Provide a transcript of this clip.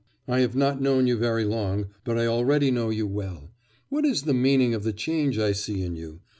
I have not known you very long, but I already know you well. What is the meaning of the change I see in you?